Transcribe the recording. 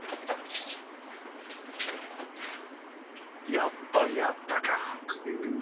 やっぱりあったか。